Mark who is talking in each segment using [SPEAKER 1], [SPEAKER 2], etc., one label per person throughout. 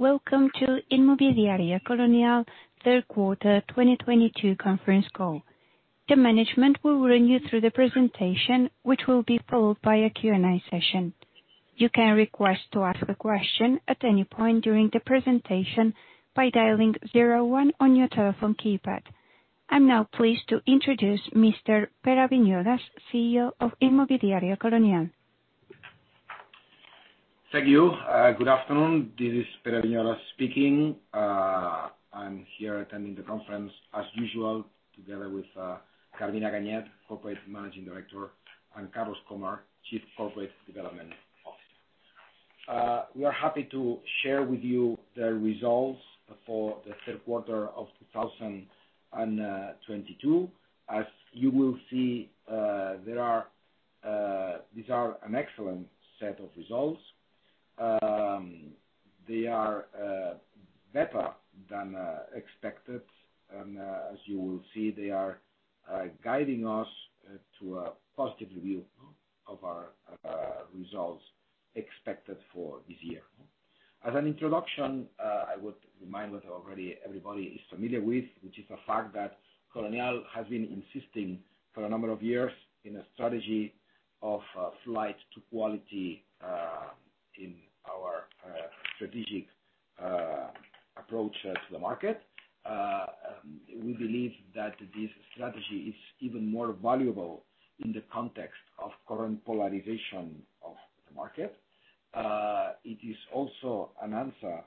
[SPEAKER 1] Welcome to Inmobiliaria Colonial third quarter 2022 conference call. The management will run you through the presentation, which will be followed by a Q&A session. You can request to ask a question at any point during the presentation by dialing zero one on your telephone keypad. I'm now pleased to introduce Mr. Pere Viñolas, CEO of Inmobiliaria Colonial.
[SPEAKER 2] Thank you. Good afternoon. This is Pere Viñolas speaking. I'm here attending the conference as usual, together with Carmina Ganyet, Corporate Managing Director, and Carlos Krohmer, Chief Corporate Development Officer. We are happy to share with you the results for the third quarter of 2022. As you will see, these are an excellent set of results. They are better than expected. As you will see, they are guiding us to a positive view of our results expected for this year. As an introduction, I would remind what already everybody is familiar with, which is the fact that Colonial has been insisting for a number of years in a strategy of flight to quality in our strategic approach to the market. We believe that this strategy is even more valuable in the context of current polarization of the market. It is also an answer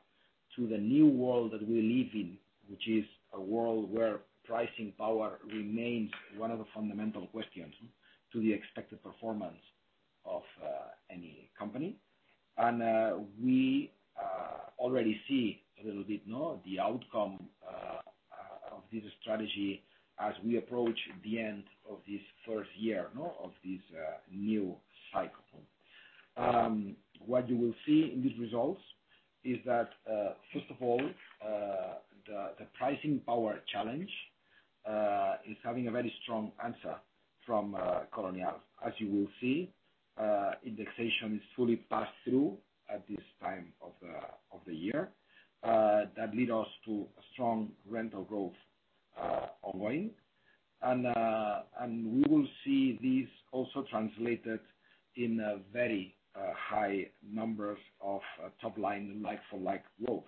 [SPEAKER 2] to the new world that we live in, which is a world where pricing power remains one of the fundamental questions to the expected performance of any company. We already see a little bit, you know, the outcome of this strategy as we approach the end of this first year, you know, of this new cycle. What you will see in these results is that, first of all, the pricing power challenge is having a very strong answer from Colonial. As you will see, indexation is fully passed through at this time of the year. That leads us to a strong rental growth ongoing. We will see this also translated in a very high numbers of top line like-for-like growth.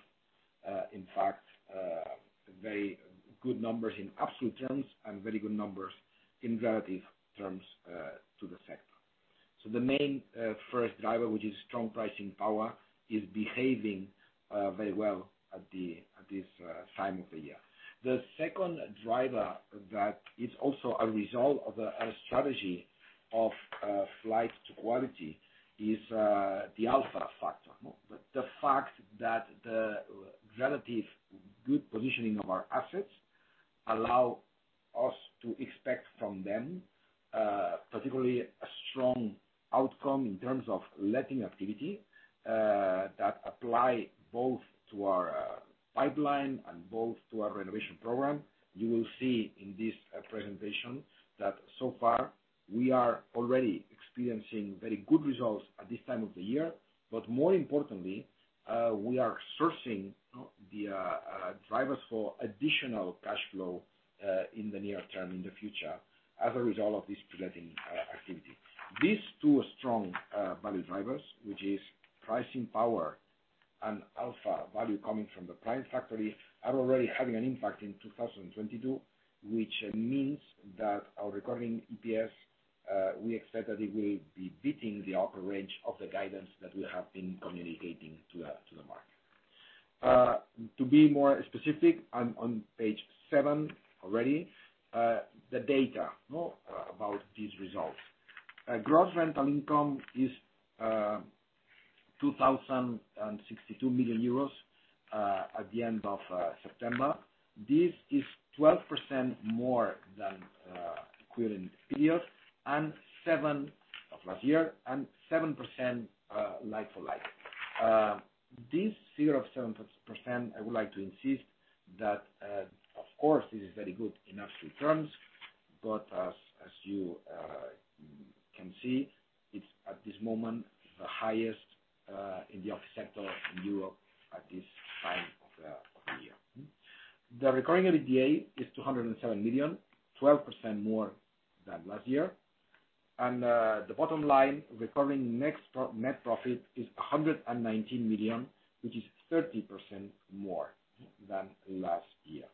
[SPEAKER 2] In fact, very good numbers in absolute terms and very good numbers in relative terms to the sector. The main first driver, which is strong pricing power, is behaving very well at this time of the year. The second driver that is also a result of our strategy of flight to quality is the alpha factor. The fact that the relatively good positioning of our assets allow us to expect from them particularly a strong outcome in terms of letting activity that apply both to our pipeline and renovation program. You will see in this presentation that so far we are already experiencing very good results at this time of the year. More importantly, we are sourcing the drivers for additional cash flow in the near term, in the future, as a result of this letting activity. These two strong value drivers, which is pricing power and alpha value coming from the prime factory, are already having an impact in 2022, which means that our recurring EPS, we expect that it will be beating the upper range of the guidance that we have been communicating to the market. To be more specific, I'm on page seven already. The data, you know, about these results. Gross rental income is 2,062 million euros at the end of September. This is 12% more than the equivalent period of last year and 7% like-for-like. This figure of 7%, I would like to insist that, of course, this is very good in absolute terms, but as you can see, it's at this moment the highest in the office sector in Europe at this time of the year. The recurring EBITDA is 207 million, 12% more than last year. The bottom line, recurring net profit is 119 million, which is 30% more than last year.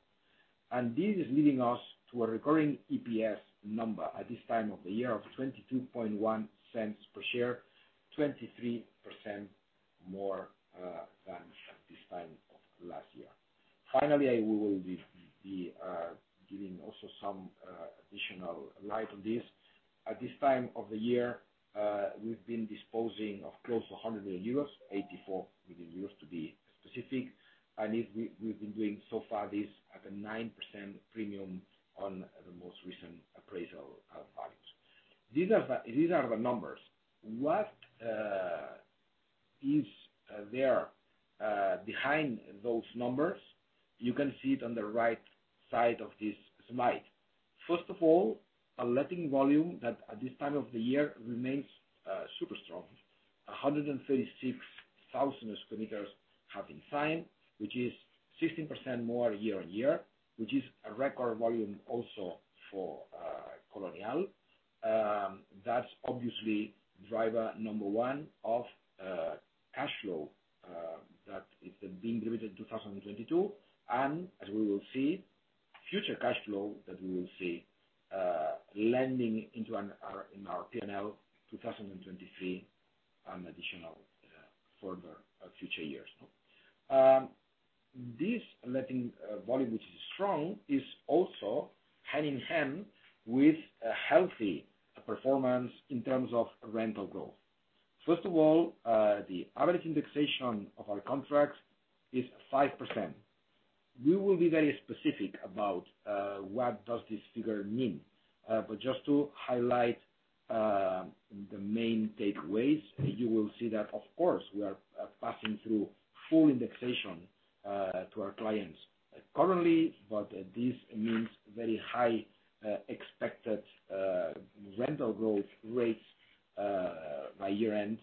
[SPEAKER 2] This is leading us to a recurring EPS number at this time of the year of 0.221 per share, 23% more than this time of last year. Finally, I will be giving also some additional light on this. At this time of the year, we've been disposing of close to 100 million euros, 84 million euros to be specific. We've been doing so far this at a 9% premium on the most recent appraisal values. These are the numbers. What is there behind those numbers, you can see it on the right side of this slide. First of all, a letting volume that at this time of the year remains super strong. 136,000 sq m have been signed, which is 16% more year-on-year, which is a record volume also for Colonial. That's obviously driver number one of cash flow that is being delivered in 2022. As we will see future cash flow that we will see lending into our P&L 2023 and additional further future years. This letting volume, which is strong, is also hand-in-hand with a healthy performance in terms of rental growth. First of all, the average indexation of our contracts is 5%. We will be very specific about what does this figure mean. Just to highlight the main takeaways, you will see that of course, we are passing through full indexation to our clients currently, but this means very high expected rental growth rates by year-end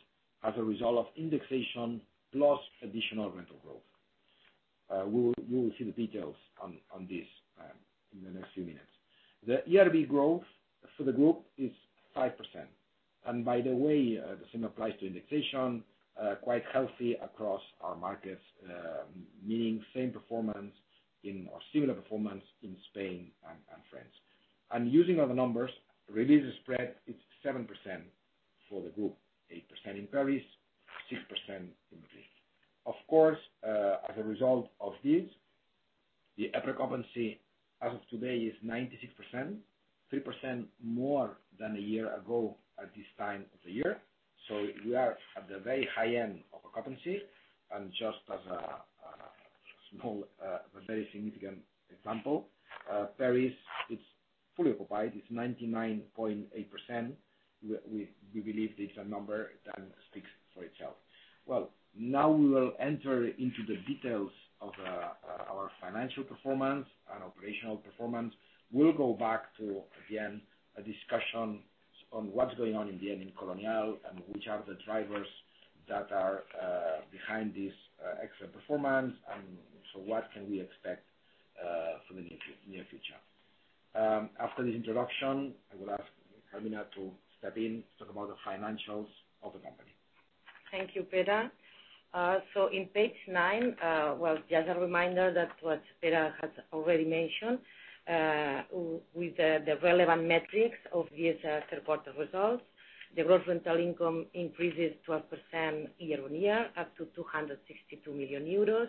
[SPEAKER 2] as a result of indexation plus additional rental growth. We will see the details on this in the next few minutes. The ERV growth for the group is 5%. By the way, the same applies to indexation, quite healthy across our markets, meaning same performance in or similar performance in Spain and France. Using other numbers, re-leasing spread is 7% for the group, 8% in Paris, 6% in Madrid. Of course, as a result of this, the EPRA occupancy as of today is 96%, 3% more than a year ago at this time of the year. So we are at the very high end of occupancy. Just as a small, very significant example, Paris is fully occupied. It's 99.8%. We believe it's a number that speaks for itself. Well, now we will enter into the details of our financial performance and operational performance. We'll go back to, again, a discussion on what's going on in the end in Colonial and which are the drivers that are behind this excellent performance, and so what can we expect for the near future. After this introduction, I will ask Carmina to step in to talk about the financials of the company.
[SPEAKER 3] Thank you, Pere Viñolas. In page nine, well, just a reminder that what Pere Viñolas has already mentioned, with the relevant metrics of these third quarter results. The gross rental income increases 12% year-over-year, up to 262 million euros.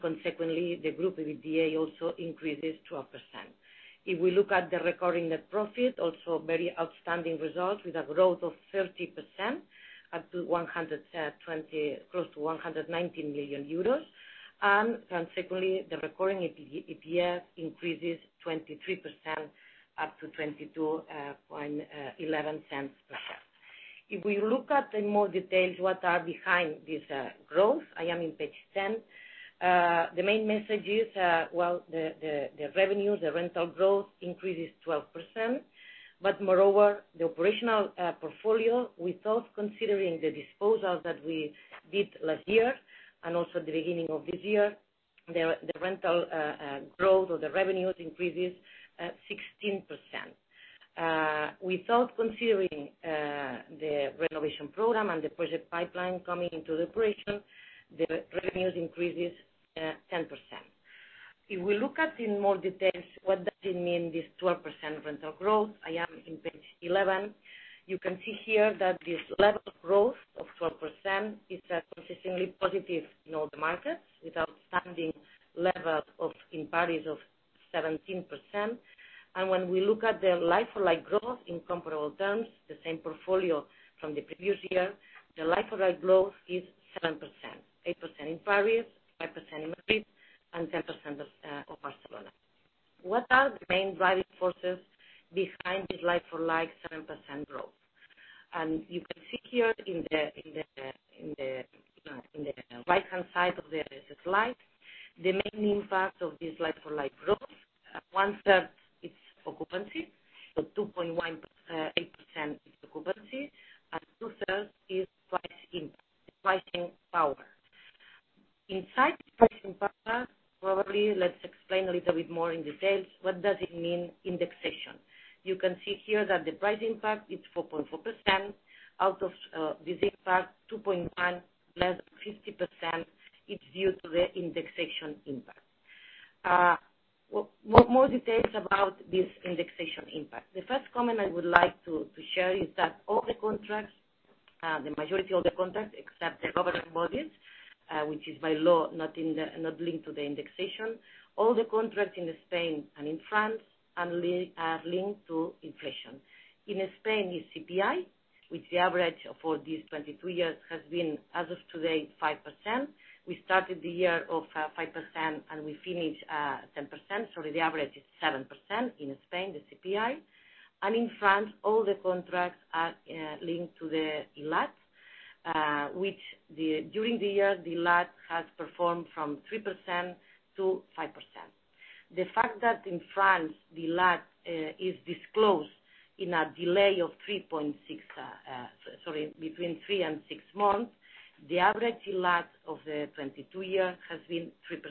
[SPEAKER 3] Consequently, the group EBITDA also increases 12%. If we look at the recurring net profit, also very outstanding results with a growth of 30% up to close to 190 million euros. Consequently, the recurring EPS increases 23% up to 0.2211 per share. If we look at in more details what are behind this growth, I am in page ten. The main message is, well, the revenue, the rental growth increases 12%. Moreover, the operational portfolio, without considering the disposals that we did last year and also the beginning of this year, the rental growth or the revenues increases 16%. Without considering the renovation program and the project pipeline coming into the operation, the revenues increases 10%. If we look at it in more detail what does it mean this 12% rental growth, I am on page 11. You can see here that this level of growth of 12% is consistently positive in all the markets with outstanding level in Paris of 17%. When we look at the like-for-like growth in comparable terms, the same portfolio from the previous year, the like-for-like growth is 7%. 8% in Paris, 5% in Madrid, and 10% of Barcelona. What are the main driving forces behind this like-for-like 7% growth? You can see here in the right-hand side of the slide, the main impact of this like-for-like growth. 1/3 is occupancy, so 2.18% is occupancy, and 2/3 is pricing power. Inside pricing power, probably let's explain a little bit more in details what does it mean indexation. You can see here that the price impact is 4.4%. Out of this impact, 2.1, less than 50%, is due to the indexation impact. More details about this indexation impact. The first comment I would like to share is that all the contracts, the majority of the contracts, except the government modules, which is by law not in the, not linked to the indexation, all the contracts in Spain and in France are linked to inflation. In Spain, it's CPI, which the average for these 22 years has been, as of today, 5%. We started the year of 5%, and we finish at 10%. The average is 7% in Spain, the CPI. In France, all the contracts are linked to the ILAT, which during the year, the ILAT has performed from 3%-5%. The fact that in France, the ILAT is disclosed with a delay of between 3-6 months, the average ILAT in 2022 has been 3%.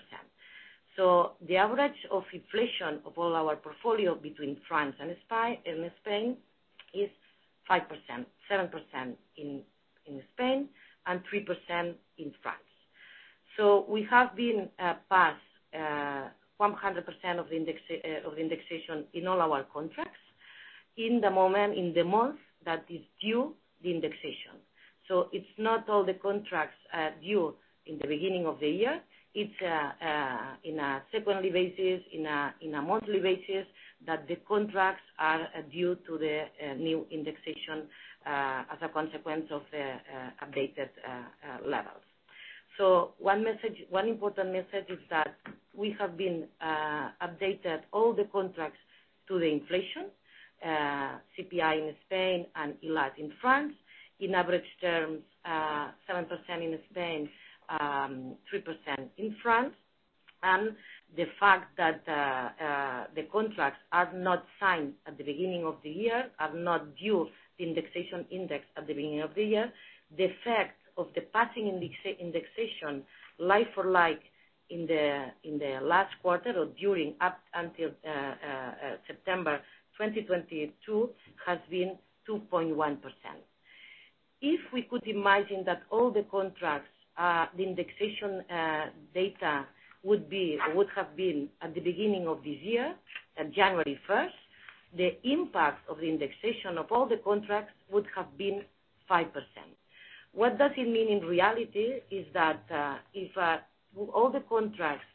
[SPEAKER 3] The average of inflation of all our portfolio between France and Spain is 5%. 7% in Spain and 3% in France. We have been past 100% of the index of indexation in all our contracts. At the moment, in the month that is due, the indexation. It's not all the contracts are due in the beginning of the year. It's on a semi-annual basis, on a monthly basis that the contracts are due for the new indexation as a consequence of the updated levels. One message, one important message is that we have updated all the contracts to the inflation, CPI in Spain and ILAT in France. In average terms, 7% in Spain, 3% in France. The fact that the contracts are not signed at the beginning of the year, are not due the indexation at the beginning of the year. The effect of the passing indexation like-for-like in the last quarter or during up until September 2022 has been 2.1%. If we could imagine that all the contracts, the indexation data would be or would have been at the beginning of this year, at January 1st, the impact of the indexation of all the contracts would have been 5%. What does it mean in reality is that if all the contracts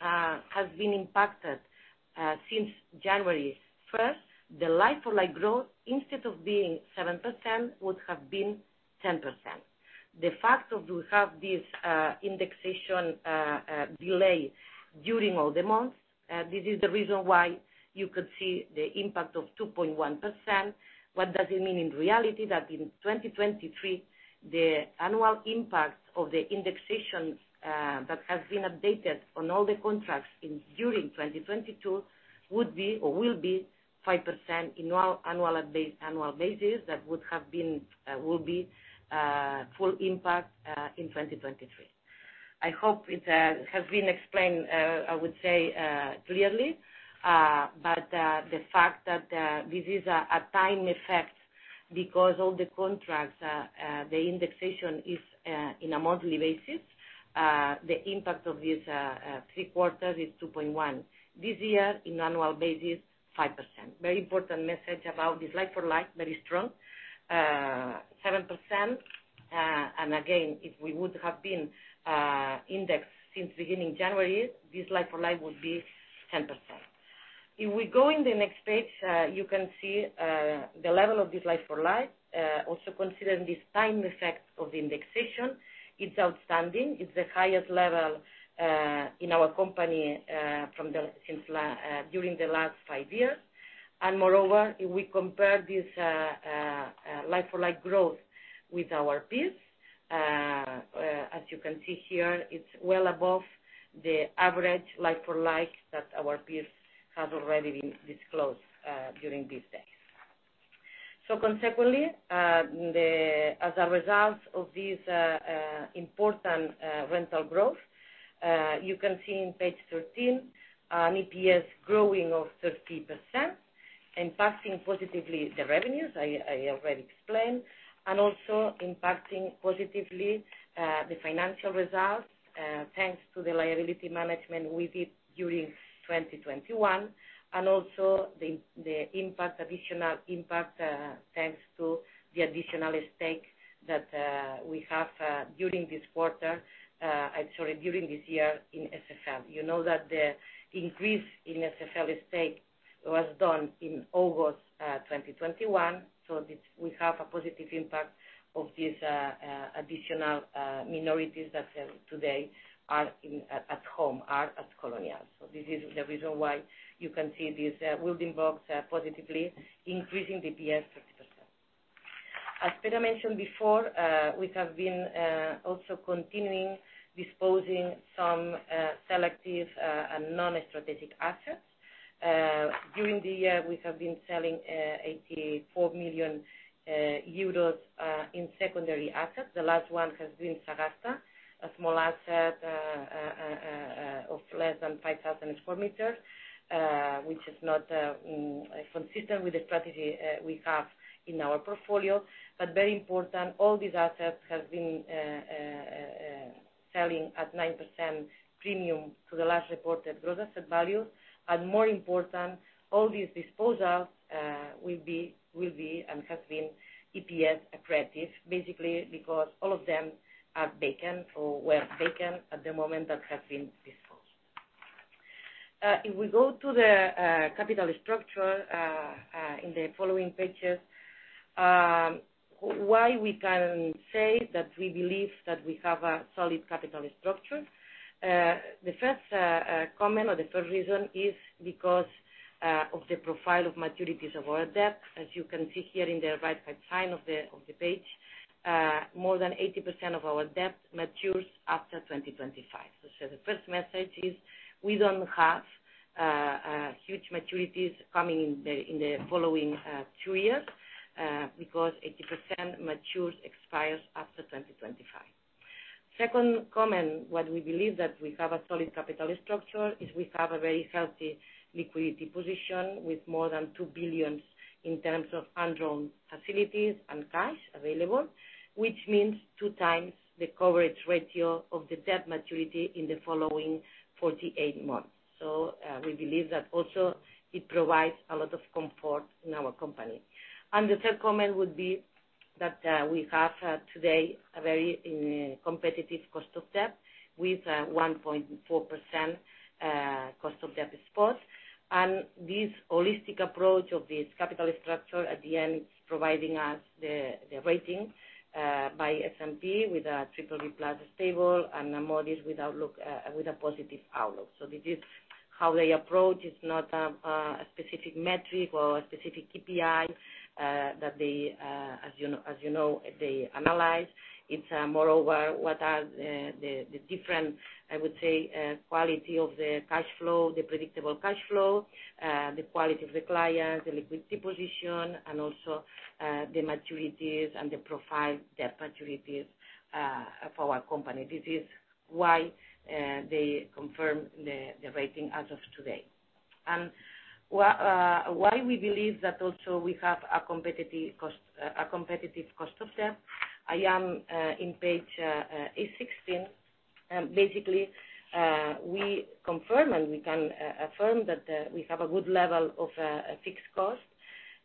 [SPEAKER 3] have been impacted since January 1st, the like-for-like growth, instead of being 7%, would have been 10%. The fact that we have this indexation delay during all the months, this is the reason why you could see the impact of 2.1%. What does it mean in reality? That in 2023, the annual impact of the indexation that has been updated on all the contracts during 2022 would be or will be 5% annual basis. That would have been will be full impact in 2023. I hope it has been explained, I would say, clearly. The fact that this is a time effect because all the contracts, the indexation is in a monthly basis. The impact of this three quarters is 2.1%. This year, in annual basis, 5%. Very important message about this like-for-like, very strong, 7%. Again, if we would have been indexed since beginning January, this like-for-like would be 10%. If we go in the next page, you can see the level of this like-for-like. Also considering this time effect of indexation, it's outstanding. It's the highest level in our company during the last five years. Moreover, if we compare this like-for-like growth with our peers, as you can see here, it's well above the average like-for-like that our peers have already been disclosed during these days. Consequently, as a result of this important rental growth, you can see in page 13 an EPS growing of 30% and passing positively the revenues I already explained, and also impacting positively the financial results thanks to the liability management we did during 2021. Also the additional impact thanks to the additional stake that we have during this year in SFL. You know that the increase in SFL stake was done in August 2021. We have a positive impact of this additional minorities that today are in at home are at Colonial. This is the reason why you can see this building blocks positively increasing the EPS 30%. As Pere Viñolas mentioned before, we have been also continuing disposing some selective and non-strategic assets. During the year, we have been selling 84 million euros in secondary assets. The last one has been Sagasta, a small asset of less than 5,000 sq m which is not consistent with the strategy we have in our portfolio. Very important, all these assets have been selling at 9% premium to the last reported Gross Asset Value. More important, all these disposals will be and has been EPS accretive, basically because all of them are vacant or were vacant at the moment that have been disposed. If we go to the capital structure in the following pages. Why we can say that we believe that we have a solid capital structure. The first comment or the first reason is because of the profile of maturities of our debt. As you can see here in the right-hand side of the page, more than 80% of our debt matures after 2025. The first message is we don't have huge maturities coming in the following two years because 80% matures, expires after 2025. Second comment, why we believe that we have a solid capital structure is we have a very healthy liquidity position with more than 2 billion in terms of undrawn facilities and cash available, which means 2x the coverage ratio of the debt maturity in the following 48 months. We believe that also it provides a lot of comfort in our company. The third comment would be that we have today a very competitive cost of debt with 1.4% cost of debt spot. This holistic approach of this capital structure at the end is providing us the rating by S&P with a BBB+ stable and Moody's with a positive outlook. This is how they approach. It's not a specific metric or a specific KPI that they, as you know, they analyze. It's moreover what are the different, I would say, quality of the cash flow, the predictable cash flow, the quality of the clients, the liquidity position, and also the maturities and the profile of debt maturities for our company. This is why they confirm the rating as of today. Why we believe that also we have a competitive cost of debt. I am on page 16. Basically, we confirm, and we can affirm that we have a good level of fixed rates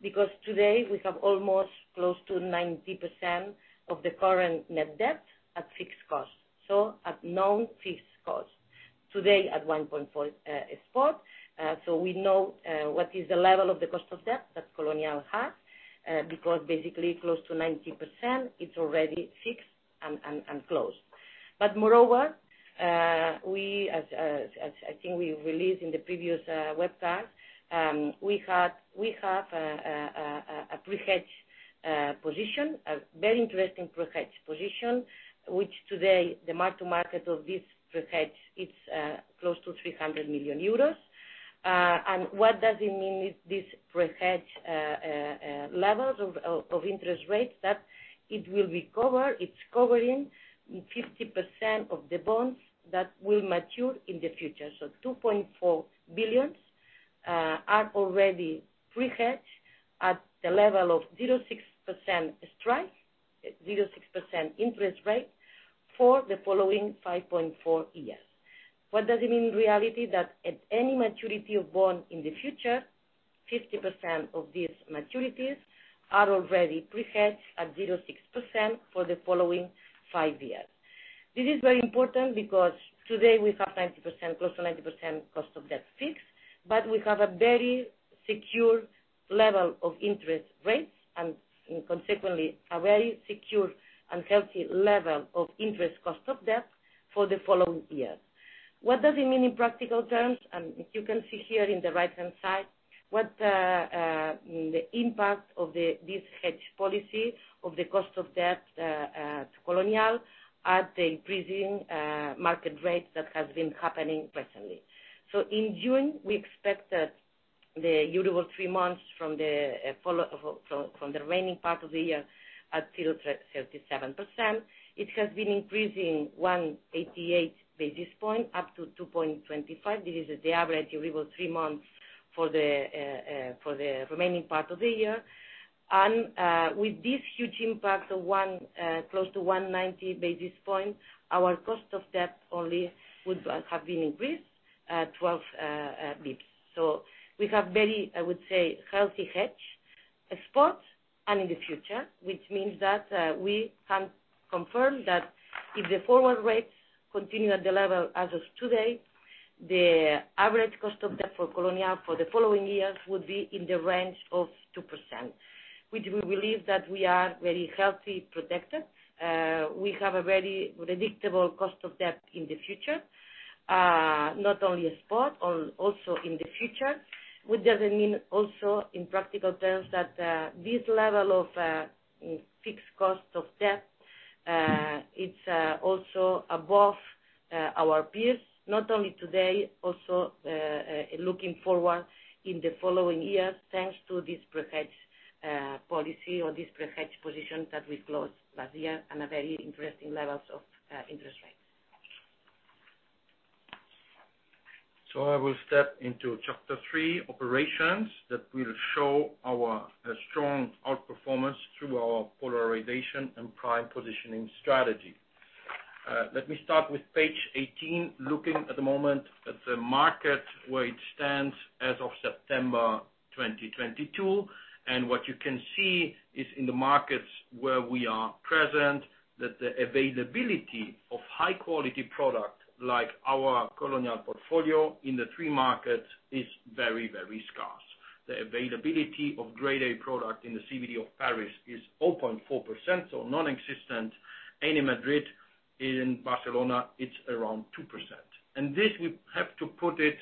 [SPEAKER 3] because today we have almost close to 90% of the current net debt at fixed rates. At non-fixed costs, today at 1.4% spot. We know what is the level of the cost of debt that Colonial has because basically close to 90% it's already fixed and closed. Moreover, as I think we released in the previous webcast, we have a pre-hedge position, a very interesting pre-hedge position, which today the mark-to-market of this pre-hedge it's close to 300 million euros. What does it mean is this pre-hedge levels of interest rates that it will recover. It's covering 50% of the bonds that will mature in the future. 2.4 billion are already pre-hedged at the level of 0.6% strike, 0.6% interest rate for the following 5.4 years. What does it mean in reality? That at any maturity of bond in the future, 50% of these maturities are already pre-hedged at 0.6% for the following five years. This is very important because today we have 90%, close to 90% cost of debt fixed, but we have a very secure level of interest rates and consequently a very secure and healthy level of interest cost of debt for the following years. What does it mean in practical terms? You can see here in the right-hand side what the impact of this hedge policy of the cost of debt to Colonial at the increasing market rates that has been happening recently. In June, we expect that the Euribor three months from the remaining part of the year at 0.37%. It has been increasing 188 basis points up to 2.25. This is the average Euribor three months for the remaining part of the year. With this huge impact of close to 190 basis points, our cost of debt only would have been increased 12 basis points. We have very, I would say, healthy hedge, spot and in the future, which means that we can confirm that if the forward rates continue at the level as of today, the average cost of debt for Colonial for the following years would be in the range of 2%, which we believe that we are very healthy protected. We have a very predictable cost of debt in the future. Not only spot or also in the future, which doesn't mean also in practical terms that this level of fixed cost of debt it's also above our peers, not only today, also looking forward in the following years thanks to this pre-hedge policy or this pre-hedge position that we closed last year and a very interesting levels of interest rates.
[SPEAKER 4] I will step into chapter three, operations, that will show our strong outperformance through our polarization and prime positioning strategy. Let me start with page 18. Looking at the moment at the market where it stands as of September 2022. What you can see is in the markets where we are present, that the availability of high quality product like our Colonial portfolio in the three markets is very, very scarce. The availability of Grade A product in the CBD of Paris is 0.4%, so nonexistent. In Madrid and Barcelona, it's around 2%. This, we have to put it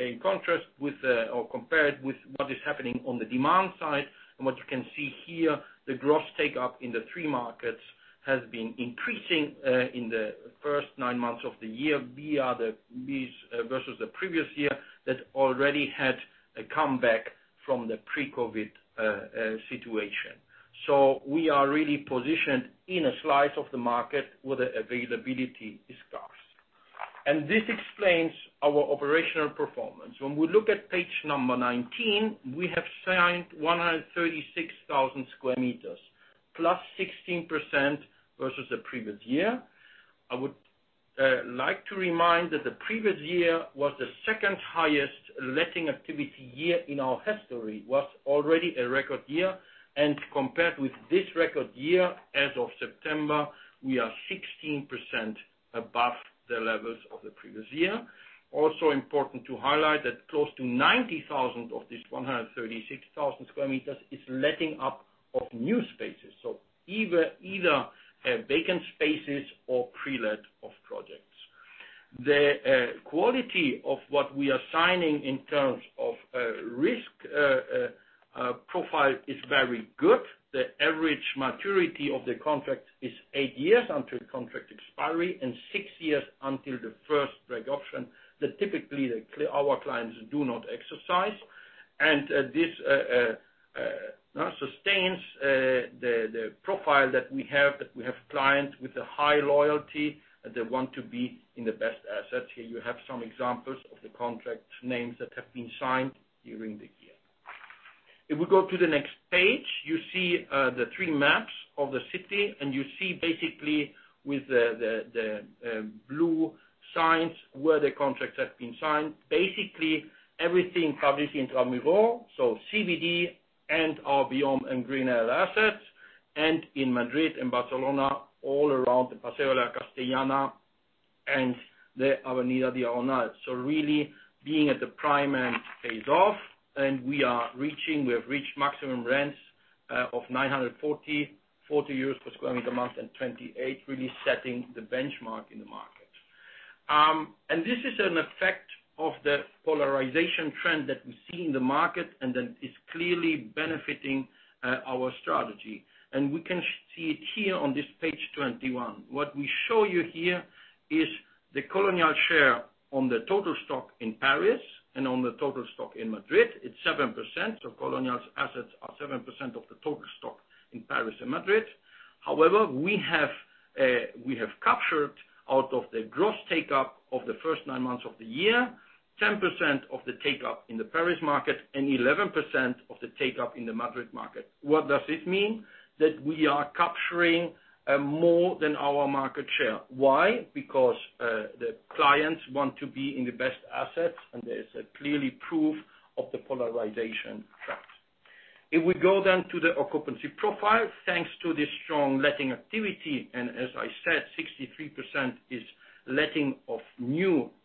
[SPEAKER 4] in contrast with or compare it with what is happening on the demand side. What you can see here, the gross take-up in the three markets has been increasing in the first nine months of the year, via these versus the previous year that already had a comeback from the pre-COVID situation. We are really positioned in a slice of the market where the availability is scarce. This explains our operational performance. When we look at page number 19, we have signed 136,000 sq m, +16% versus the previous year. I would like to remind that the previous year was the second highest letting activity year in our history, was already a record year. Compared with this record year, as of September, we are 16% above the levels of the previous year. Important to highlight that close to 90,000 of these 136,000 sq m is lettings of new spaces. Either vacant spaces or pre-let of projects. The quality of what we are signing in terms of risk profile is very good. The average maturity of the contract is eight years until contract expiry and six years until the first break option, that typically our clients do not exercise. This sustains the profile that we have clients with a high loyalty, that they want to be in the best assets. Here you have some examples of the client names that have been signed during the year. If we go to the next page, you see the three maps of the city, and you see basically with the blue signs where the contracts have been signed. Basically everything published in Intramuros, so CBD and our beyond and Grenelle assets, and in Madrid and Barcelona, all around the Paseo de la Castellana and the Avenida Diagonal. Really being at the prime end pays off. We have reached maximum rents of 940 per sq m month and 28, really setting the benchmark in the market. This is an effect of the polarization trend that we see in the market and that is clearly benefiting our strategy. We can see it here on this page 21. What we show you here is the Colonial share on the total stock in Paris and on the total stock in Madrid. It's 7% of Colonial's assets, or 7% of the total stock in Paris and Madrid. However, we have captured out of the gross take-up of the first nine months of the year, 10% of the take-up in the Paris market and 11% of the take-up in the Madrid market. What does this mean? That we are capturing more than our market share. Why? Because the clients want to be in the best assets, and there is a clearly proof of the polarization trend. If we go then to the occupancy profile, thanks to this strong letting activity, and as I said, 63% is letting of new surfaces.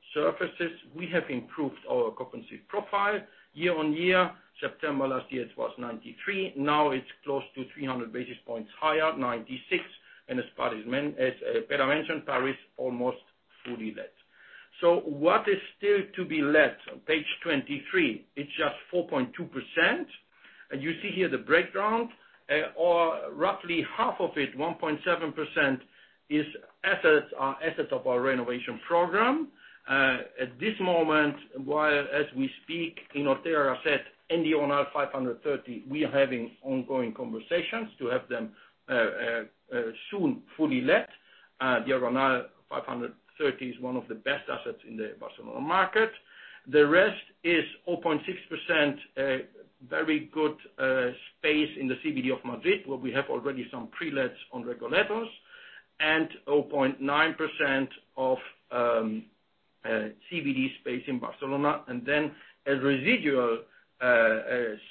[SPEAKER 4] We have improved our occupancy profile year on year. September last year, it was 93. Now it's close to 300 basis points higher, 96. As far as Pere Viñolas mentioned, Paris, almost fully let. What is still to be let on page 23, it's just 4.2%. You see here the breakdown, or roughly half of it, 1.7% is assets of our renovation program. At this moment, as we speak, in Ortega y Gasset and the Diagonal 530, we are having ongoing conversations to have them soon fully let. The Diagonal 530 is one of the best assets in the Barcelona market. The rest is 4.6%, very good space in the CBD of Madrid, where we have already some pre-lets on Recoletos, and 0.9% of CBD space in Barcelona. Then a residual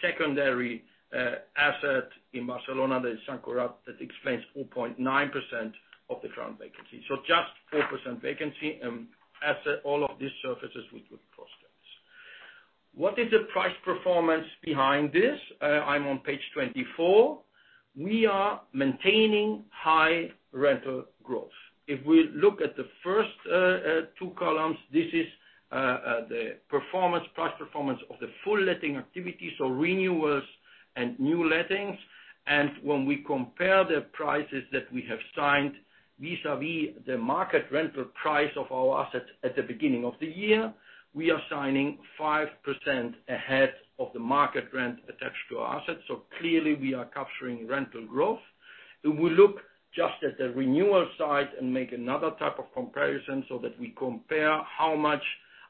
[SPEAKER 4] secondary asset in Barcelona, the Sant Cugat, that explains 4.9% of the current vacancy. So just 4% vacancy. Asset, all of these surfaces with good prospects. What is the price performance behind this? I'm on page 24. We are maintaining high rental growth. If we look at the first two columns, this is the price performance of the full letting activity, so renewals and new lettings. When we compare the prices that we have signed vis-à-vis the market rental price of our assets at the beginning of the year, we are signing 5% ahead of the market rent attached to our assets. Clearly we are capturing rental growth. If we look just at the renewal side and make another type of comparison so that we compare how much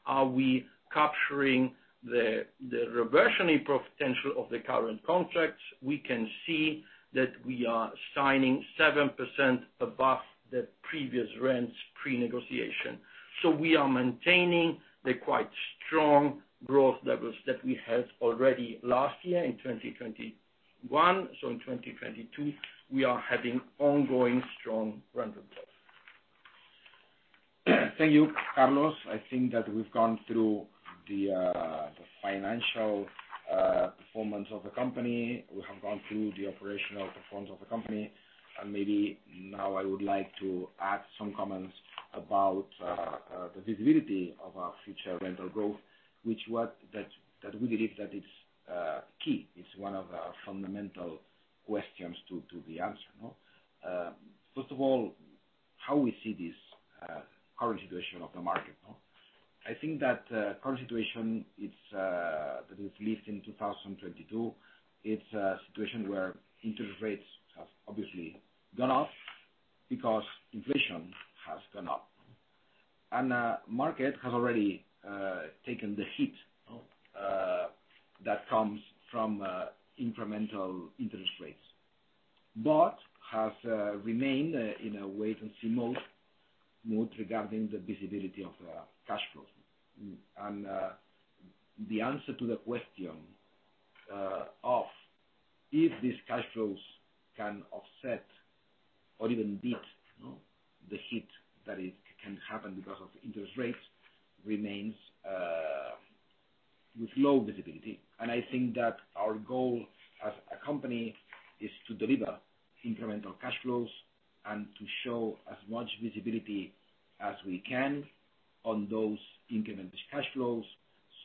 [SPEAKER 4] are we capturing the reversionary potential of the current contracts, we can see that we are signing 7% above the previous rents pre-negotiation. We are maintaining the quite strong growth levels that we had already last year in 2021. In 2022, we are having ongoing strong rental growth.
[SPEAKER 2] Thank you, Carlos. I think that we've gone through the financial performance of the company. We have gone through the operational performance of the company, and maybe now I would like to add some comments about the visibility of our future rental growth, which we believe it's key. It's one of our fundamental questions to be answered, no? First of all, how we see this current situation of the market, no? I think that current situation it's that we've lived in 2022, it's a situation where interest rates have obviously gone up because inflation has gone up. Market has already taken the hit that comes from incremental interest rates, but has remained in a wait-and-see mode regarding the visibility of cash flows. The answer to the question of if these cash flows can offset or even beat, no, the hit that can happen because of interest rates remains with low visibility. I think that our goal as a company is to deliver incremental cash flows and to show as much visibility as we can on those incremental cash flows,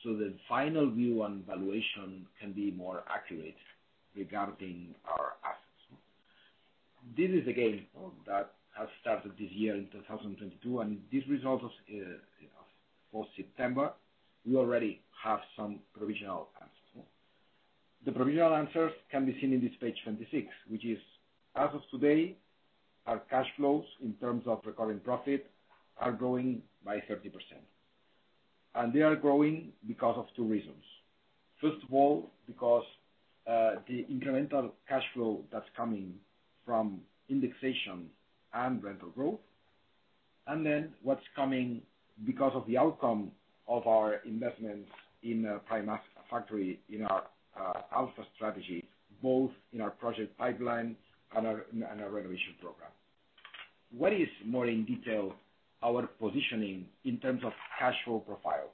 [SPEAKER 2] so the final view on valuation can be more accurate regarding our assets. This is a game that has started this year in 2022, and these results as, you know, for September, we already have some provisional answers, no? The provisional answers can be seen in this page 26, which is, as of today, our cash flows in terms of recurring profit are growing by 30%. They are growing because of two reasons. First of all, because the incremental cash flow that's coming from indexation and rental growth, and then what's coming because of the outcome of our investments in a prime factory in our alpha strategy, both in our project pipeline and our renovation program. What is more in detail our positioning in terms of cash flow profile?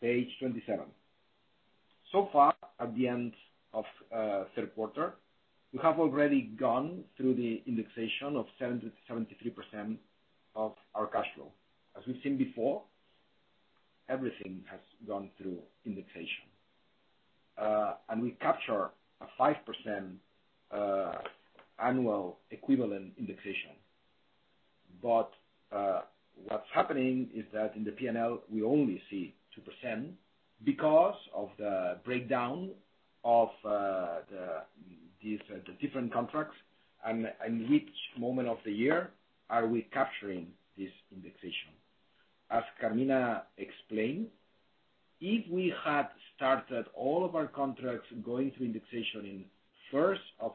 [SPEAKER 2] Page 27. So far, at the end of third quarter, we have already gone through the indexation of 70%-73% of our cash flow. As we've seen before, everything has gone through indexation and we capture a 5% annual equivalent indexation. But what's happening is that in the P&L, we only see 2% because of the breakdown of the different contracts and which moment of the year are we capturing this indexation. As Carmina explained, if we had started all of our contracts going through indexation in first of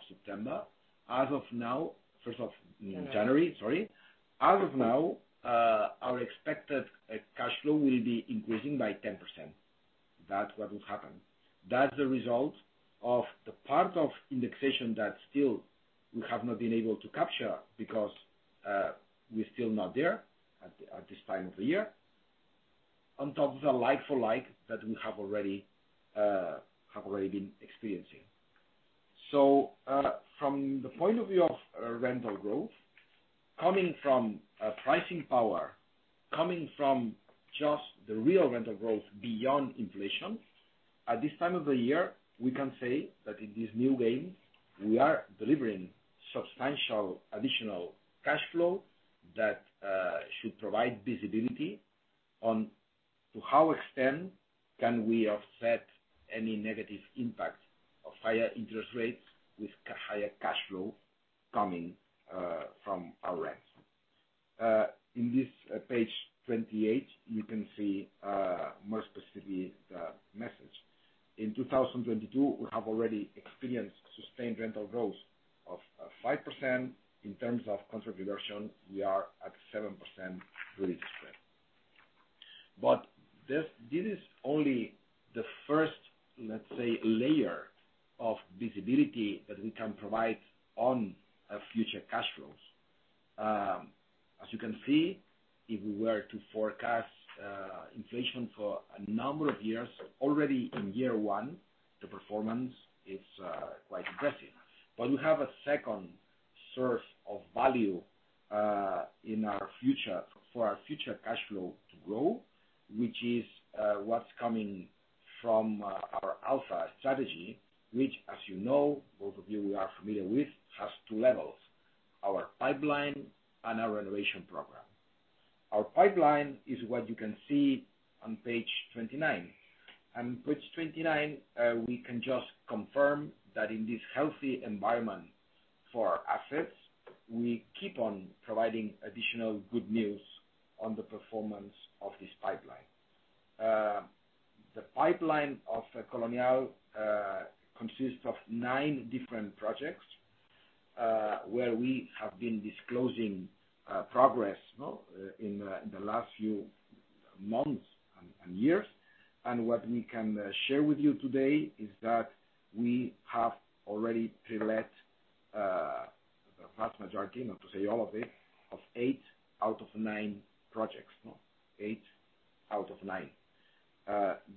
[SPEAKER 2] January, sorry, as of now our expected cash flow will be increasing by 10%. That's what would happen. That's the result of the part of indexation that still we have not been able to capture because we're still not there at this time of the year. On top of the like-for-like that we have already been experiencing. From the point of view of rental growth, coming from pricing power, coming from just the real rental growth beyond inflation, at this time of the year, we can say that in this new game, we are delivering substantial additional cash flow that should provide visibility on to how extent can we offset any negative impact of higher interest rates with higher cash flow coming from our rents. In page 28, you can see more specifically the message. In 2022, we have already experienced sustained rental growth of 5%. In terms of contract reversion, we are at 7% real strength. This is only the first, let's say, layer of visibility that we can provide on future cash flows. As you can see, if we were to forecast inflation for a number of years, already in year one, the performance is quite impressive. We have a second source of value in our future for our future cash flow to grow, which is what's coming from our alpha strategy, which as you know, those of you who are familiar with, has two levels, our pipeline and our renovation program. Our pipeline is what you can see on page 29. On page 29, we can just confirm that in this healthy environment for our assets, we keep on providing additional good news on the performance of this pipeline. The pipeline of Colonial consists of nine different projects where we have been disclosing progress in the last few months and years. What we can share with you today is that we have already pre-let the vast majority, not to say all of it, of eight out of nine projects.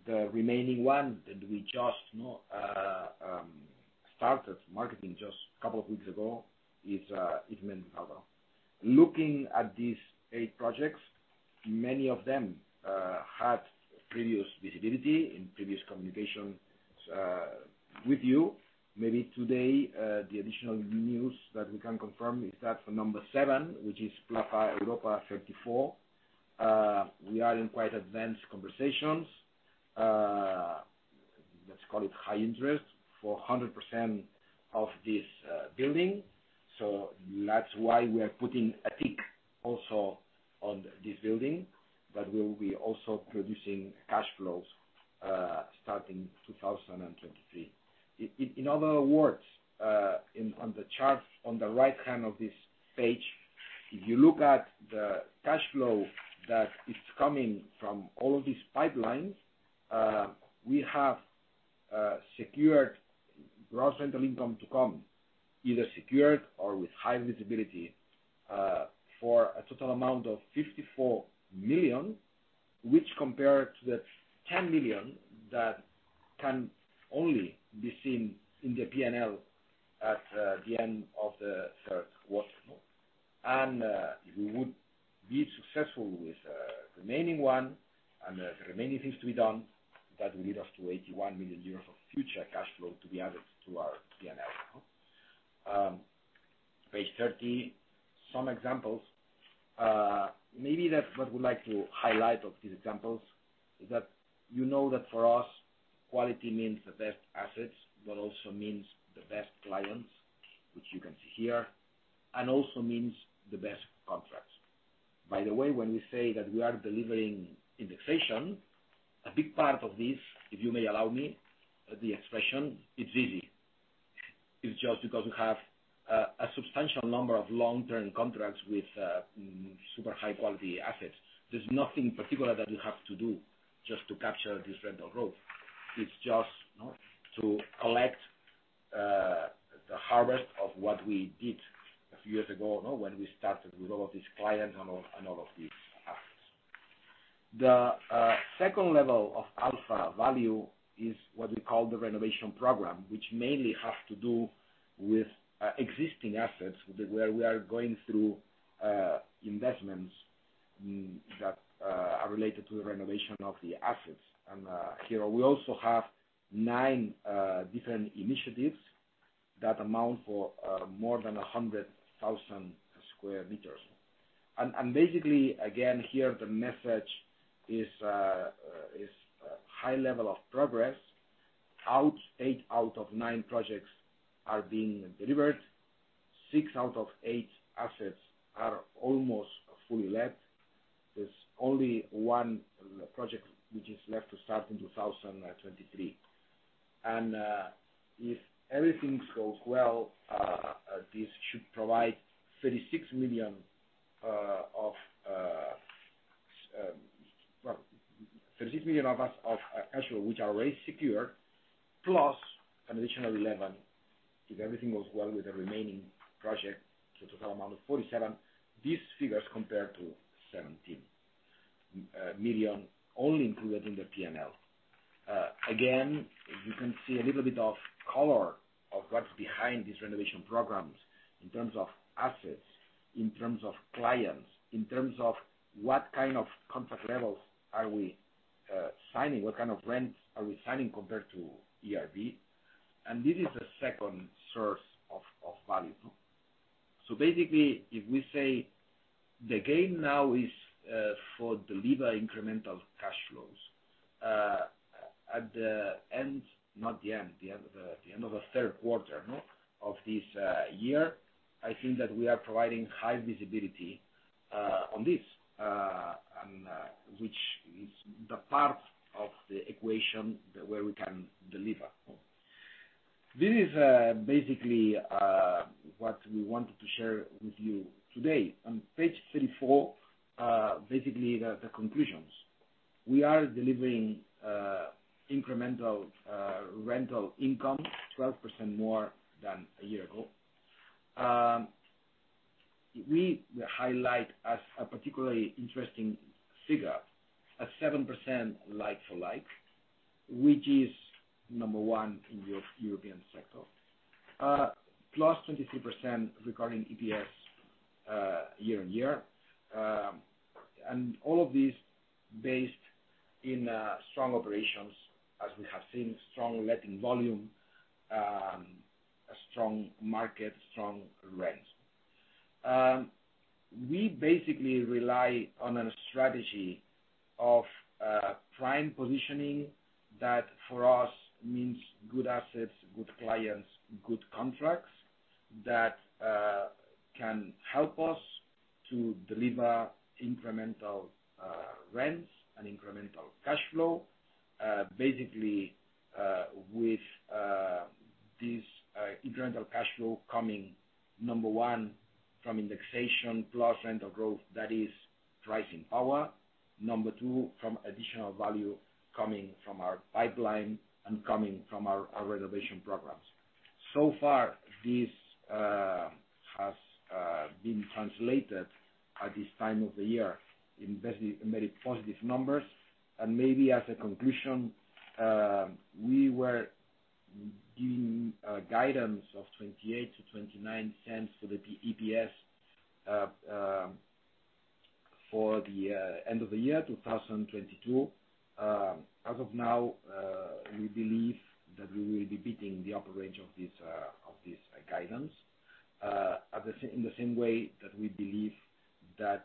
[SPEAKER 2] The remaining one that we just, you know, started marketing just a couple of weeks ago is Méndez Álvaro. Looking at these eight projects, many of them had previous visibility in previous communications with you. Maybe today the additional news that we can confirm is that for number seven, which is Plaza Europa 34, we are in quite advanced conversations. Let's call it high interest for 100% of this building. That's why we are putting a tick also on this building that will be also producing cash flows starting 2023. In other words, in on the chart on the right-hand of this page, if you look at the cash flow that is coming from all of these pipelines, we have secured gross rental income to come, either secured or with high visibility, for a total amount of 54 million, which compared to the 10 million that can only be seen in the P&L at the end of the third quarter. If we would be successful with remaining one and the remaining things to be done, that will lead us to 81 million euros of future cash flow to be added to our P&L. Page 30. Some examples. Maybe that's what we'd like to highlight of these examples is that you know that for us, quality means the best assets, but also means the best clients, which you can see here, and also means the best contracts. By the way, when we say that we are delivering indexation, a big part of this, if you may allow me the expression, it's easy. It's just because we have a substantial number of long-term contracts with super high-quality assets. There's nothing particular that we have to do just to capture this rental growth. It's just, you know, to collect the harvest of what we did a few years ago, you know, when we started with all of these clients and all of these assets. The second level of alpha value is what we call the renovation program, which mainly has to do with existing assets where we are going through investments that are related to the renovation of the assets. Here we also have nine different initiatives that amount to more than 100,000 sq m. Basically, again, here the message is high level of progress. eight out of nine projects are being delivered. Six out of eight assets are almost fully let. There's only one project which is left to start in 2023. Well, if everything goes well, this should provide 36 million of actual which are already secure, plus an additional 11 million if everything goes well with the remaining project. A total amount of 47. These figures compared to 17 million only included in the P&L. Again, you can see a little bit of color of what's behind these renovation programs in terms of assets, in terms of clients, in terms of what kind of contract levels are we signing, what kind of rents are we signing compared to ERV. This is the second source of value. Basically, if we say the game now is to deliver incremental cash flows at the end of the third quarter of this year, I think that we are providing high visibility on this. Which is the part of the equation where we can deliver. This is basically what we wanted to share with you today. On page 34, basically the conclusions. We are delivering incremental rental income 12% more than a year ago. We highlight as a particularly interesting figure a 7% like-for-like, which is number one in the European sector. +23% regarding EPS year-on-year. All of these based in strong operations, as we have seen, strong letting volume, a strong market, strong rents. We basically rely on a strategy of prime positioning that for us means good assets, good clients, good contracts that can help us to deliver incremental rents and incremental cash flow. Basically, with this incremental cash flow coming number one from indexation plus rental growth, that is pricing power. Number two, from additional value coming from our pipeline and coming from our renovation programs. So far, this has been translated at this time of the year in very, very positive numbers. Maybe as a conclusion, we were giving a guidance of 0.28-0.29 for the EPRA EPS for the end of the year, 2022. As of now, we believe that we will be beating the upper range of this guidance. In the same way that we believe that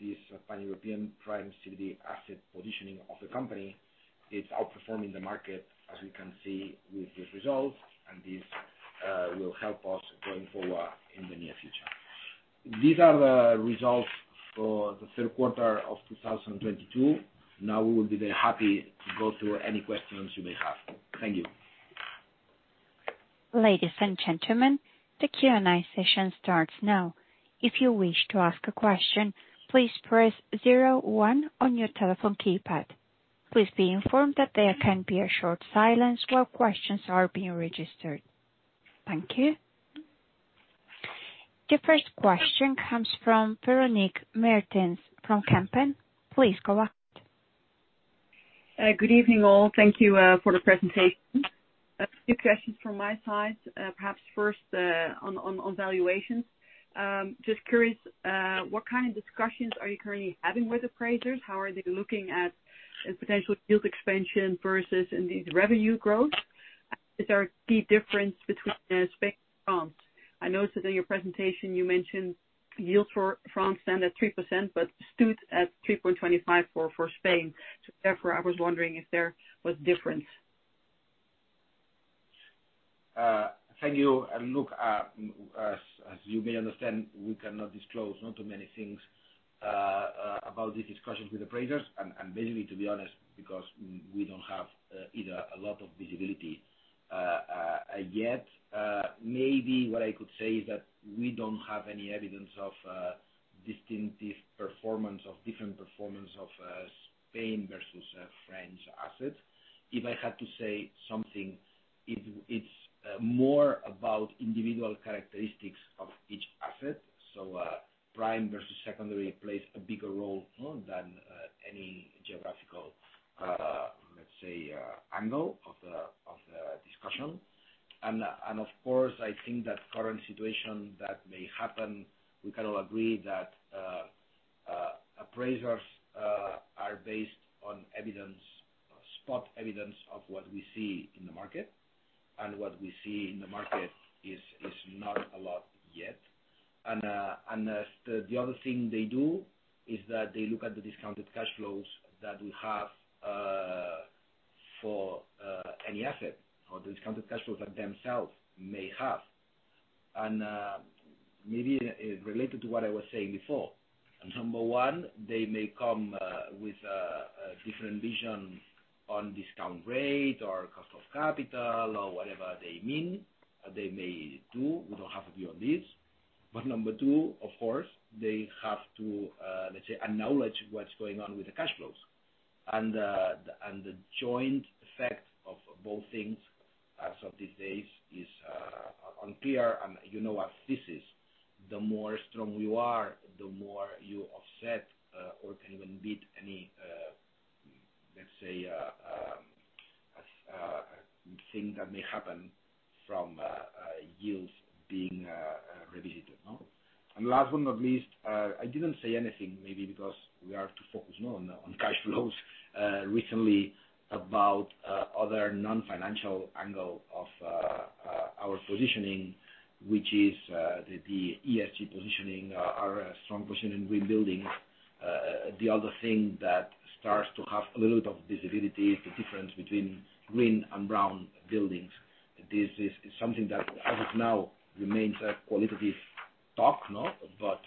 [SPEAKER 2] this pan-European prime city asset positioning of the company is outperforming the market, as you can see with these results, and this will help us going forward in the near future. These are the results for the third quarter of 2022. Now we will be very happy to go through any questions you may have. Thank you.
[SPEAKER 1] Ladies and gentlemen, the Q&A session starts now. If you wish to ask a question, please press zero one on your telephone keypad. Please be informed that there can be a short silence while questions are being registered. Thank you. The first question comes from Véronique Meertens from Kempen. Please go ahead.
[SPEAKER 5] Good evening all. Thank you for the presentation. A few questions from my side. Perhaps first, on valuations. Just curious, what kind of discussions are you currently having with appraisers? How are they looking at potential yield expansion versus indeed revenue growth? Is there a key difference between Spain and France? I noticed that in your presentation you mentioned yields for France stand at 3% but stood at 3.25% for Spain. Therefore, I was wondering if there was difference?
[SPEAKER 2] Thank you. Look, as you may understand, we cannot disclose not too many things about these discussions with appraisers. Mainly to be honest, because we don't have either a lot of visibility yet. Maybe what I could say is that we don't have any evidence of distinctive performance of different performance of Spain versus French assets. If I had to say something, it's more about individual characteristics of each asset. Prime versus secondary plays a bigger role than any geographical, let's say, angle of the discussion. Of course, I think that current situation that may happen, we can all agree that appraisers are based on evidence, spot evidence of what we see in the market. What we see in the market is not a lot yet. The other thing they do is that they look at the discounted cash flows that we have for any asset or discounted cash flows that themselves may have. Maybe related to what I was saying before. Number one, they may come with a different vision on discount rate or cost of capital or whatever they mean they may do. We don't have a view on this. Number two, of course, they have to let's say, acknowledge what's going on with the cash flows. The joint effect of both things as of these days is unclear. You know as this is, the more strong you are, the more you offset, or can even beat any, let's say, thing that may happen from yields being revisited. Last but not least, I didn't say anything, maybe because we have to focus more on cash flows recently about other non-financial angle of our positioning, which is the ESG positioning. Our strong position in green buildings. The other thing that starts to have a little bit of visibility is the difference between green and brown buildings. This is something that as of now remains a qualitative talk. No? But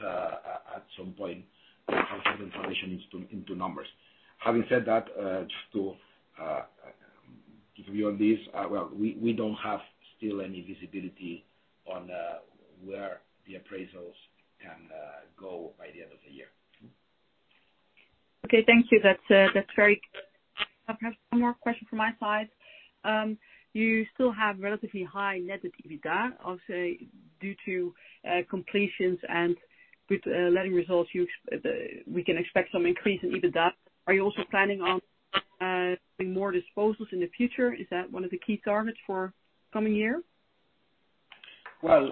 [SPEAKER 2] at some point will have some translation into numbers. Having said that, just to give you a view on this. Well, we don't have still any visibility on where the appraisals can go by the end of the year.
[SPEAKER 5] Okay, thank you. That's very clear. I have one more question from my side. You still have relatively high net debt to EBITDA, I'll say, due to completions and with letting results we can expect some increase in EBITDA. Are you also planning on doing more disposals in the future? Is that one of the key targets for coming year?
[SPEAKER 2] Well,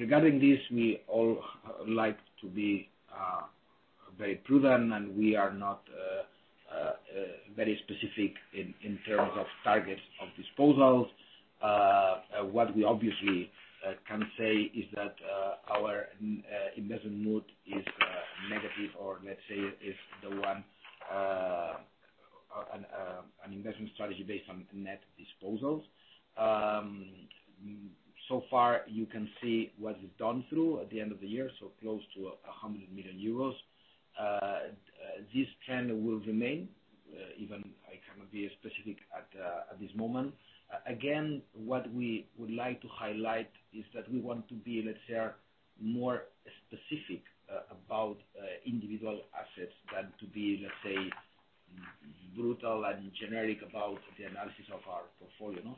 [SPEAKER 2] regarding this, we all like to be very prudent, and we are not very specific in terms of targets of disposals. What we obviously can say is that our investment mood is negative or let's say is the one an investment strategy based on net disposals. So far you can see what is done through at the end of the year, so close to 100 million euros. This trend will remain even I cannot be specific at this moment. What we would like to highlight is that we want to be, let's say, more specific about individual assets than to be, let's say, brutal and generic about the analysis of our portfolio.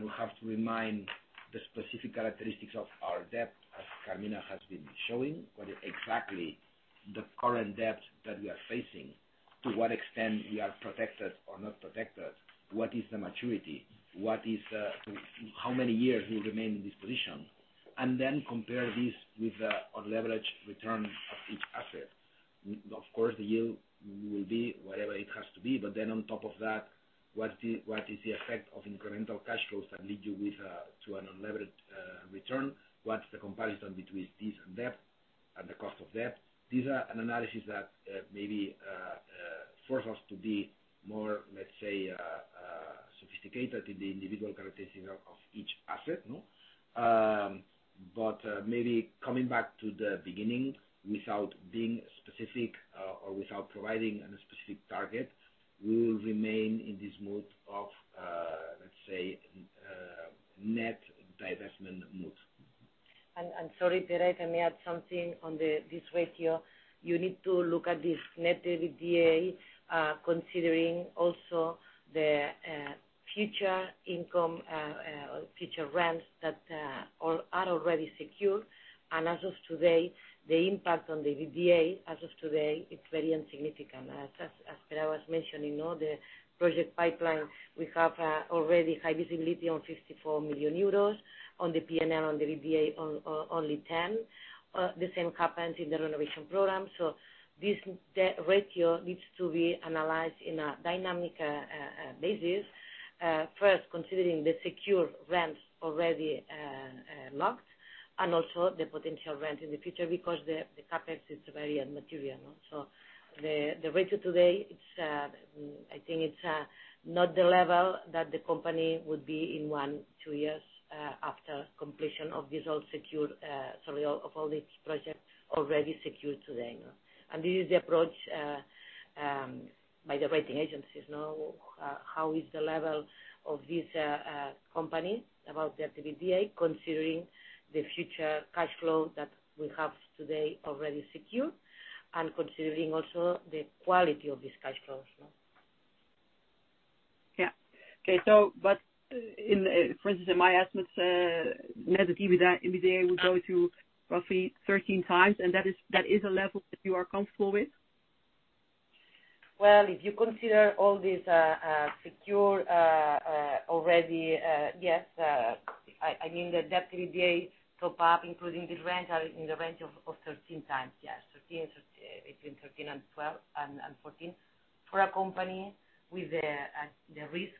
[SPEAKER 2] We have to remind the specific characteristics of our debt, as Carmina has been showing, what exactly the current debt that we are facing, to what extent we are protected or not protected, what is the maturity. How many years we remain in this position. Then compare this with our levered return of each asset. Of course, the yield will be whatever it has to be, but then on top of that, what is the effect of incremental cash flows that lead you to an unleveraged return? What's the comparison between this and debt and the cost of debt? These are an analysis that maybe force us to be more, let's say, sophisticated in the individual characteristics of each asset, no? Maybe coming back to the beginning, without being specific, or without providing a specific target, we will remain in this mode of, let's say, net divestment mode.
[SPEAKER 3] Sorry, Pere, can I add something on this ratio? You need to look at this net EBITDA, considering also the future income or future rents that are already secured. As of today, the impact on the EBITDA is very insignificant. As Pere was mentioning, you know, the project pipeline, we have already high visibility on 54 million euros. On the P&L, on the EBITDA, only ten. The same happens in the renovation program. This, the ratio needs to be analyzed in a dynamic basis. First, considering the secure rents already locked, and also the potential rent in the future because the CapEx is very immaterial, no? The ratio today, I think it's not the level that the company would be in one, two years after completion of all these projects already secured today, no? This is the approach by the rating agencies, no. How is the level of this company about their EBITDA, considering the future cash flow that we have today already secured, and considering also the quality of this cash flow.
[SPEAKER 5] Yeah. Okay, for instance, in my estimates, net EBITDA will go to roughly 13x, and that is a level that you are comfortable with?
[SPEAKER 3] If you consider all these, yes, I mean, the net debt to EBITDA go up, including the rent, are in the range of 13x, yes. 13, between 12x and 14x. For a company with the risk,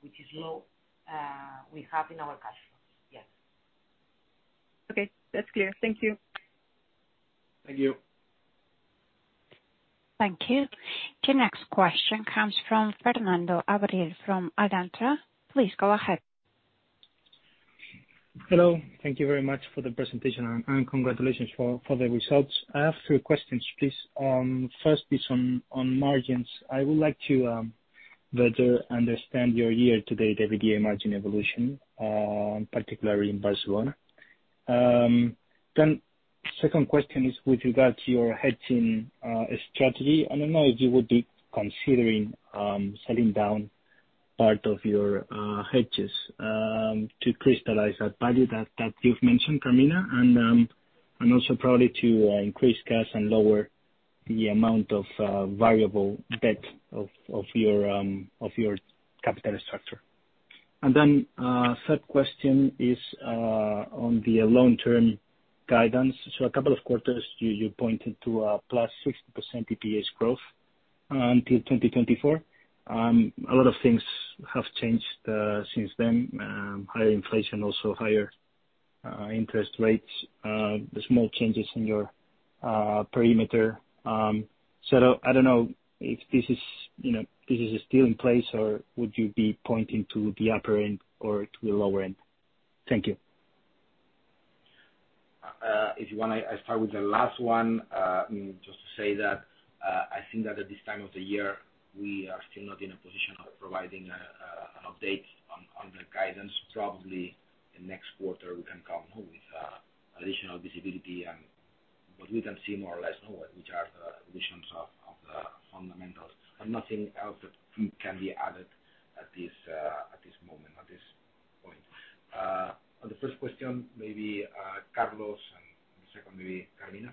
[SPEAKER 3] which is low, we have in our cash flows. Yes.
[SPEAKER 5] Okay. That's clear. Thank you.
[SPEAKER 2] Thank you.
[SPEAKER 1] Thank you. The next question comes from Fernando Abril-Martorell from Alantra. Please go ahead.
[SPEAKER 6] Hello. Thank you very much for the presentation and congratulations for the results. I have three questions, please. First is on margins. I would like to better understand your year-to-date EBITDA margin evolution, particularly in Barcelona. Then second question is with regard to your hedging strategy. I don't know if you would be considering selling down part of your hedges to crystallize that value that you've mentioned, Carmina, and also probably to increase cash and lower the amount of variable debt of your capital structure. Then third question is on the long-term guidance. A couple of quarters, you pointed to a +60% EPS growth until 2024. A lot of things have changed since then. Higher inflation, also higher interest rates, the small changes in your perimeter. I don't know if this is, you know, this is still in place or would you be pointing to the upper end or to the lower end? Thank you.
[SPEAKER 2] If you wanna, I start with the last one. Just to say that I think that at this time of the year, we are still not in a position of providing an update on the guidance. Probably in next quarter, we can come with additional visibility and what we can see more or less, you know, which are the visions of the fundamentals. Nothing else that can be added at this moment, at this point. On the first question, maybe Carlos, and the second maybe Carmina.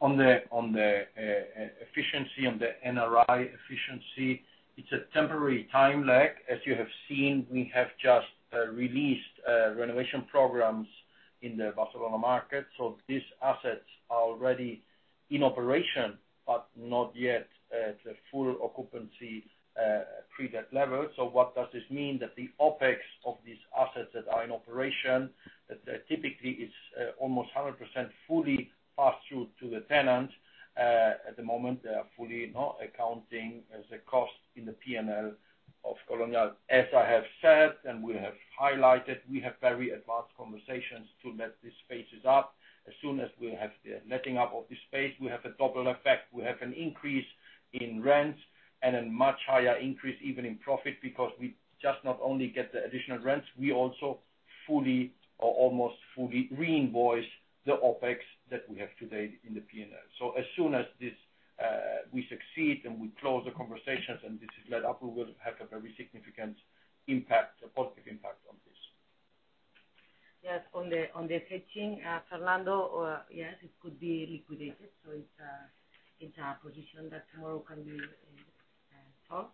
[SPEAKER 4] On the efficiency and the NRI efficiency. It's a temporary time lag. As you have seen, we have just released renovation programs in the Barcelona market. These assets are already in operation, but not yet at the full occupancy pre-let level. What does this mean? That the OpEx of these assets that are in operation, that typically is almost 100% fully passed through to the tenant. At the moment, they are fully, you know, accounting as a cost in the P&L of Colonial. As I have said, and we have highlighted, we have very advanced conversations to let these spaces up. As soon as we have the letting up of the space, we have a double effect. We have an increase in rents and a much higher increase even in profit because we just not only get the additional rents, we also fully or almost fully reinvoice the OpEx that we have today in the P&L. As soon as we succeed and we close the conversations, and this is leased up, we will have a very significant impact, a positive impact on this.
[SPEAKER 3] Yes. On the hedging, Fernando, yes, it could be liquidated. It's a position that tomorrow can be sold.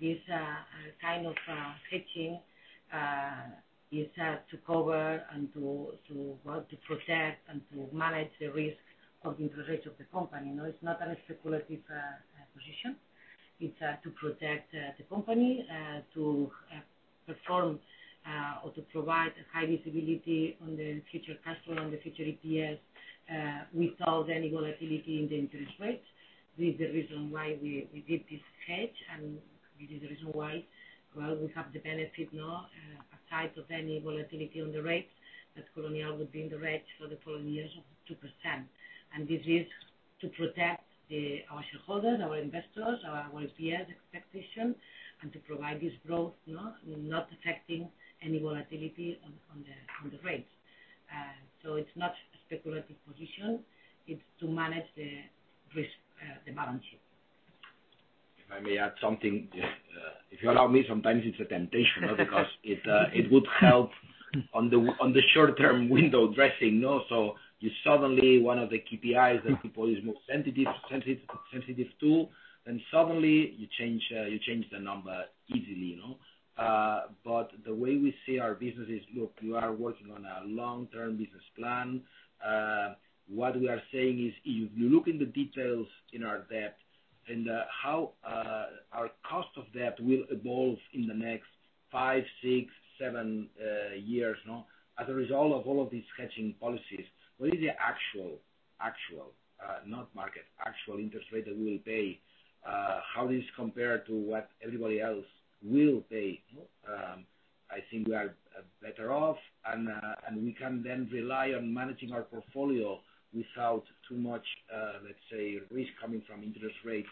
[SPEAKER 3] This kind of hedging is to cover and to protect and to manage the risk of the interest rates of the company. No, it's not a speculative position. It's to protect the company, to perform, or to provide a high visibility on the future cash flow, on the future EPS, without any volatility in the interest rates. This is the reason why we did this hedge, and this is the reason why, well, we have the benefit now, aside from any volatility on the rates that Colonial would be in the range for the following years of 2%. This is to protect our shareholders, our investors, our EPS expectation, and to provide this growth, you know, not affecting any volatility on the rates. It's not a speculative position. It's to manage the risk, the balance sheet.
[SPEAKER 2] If I may add something. If you allow me, sometimes it's a temptation, because it would help on the short term window dressing, you know? You suddenly, one of the KPIs that people is more sensitive to, then suddenly you change the number easily, you know. The way we see our business is, look, you are working on a long-term business plan. What we are saying is if you look in the details in our debt and how our cost of debt will evolve in the next five, six, seven years, you know, as a result of all of these hedging policies. What is the actual, not mark-to-market, interest rate that we will pay? How this compare to what everybody else will pay, you know? I think we are better off, and we can then rely on managing our portfolio without too much, let's say, risk coming from interest rates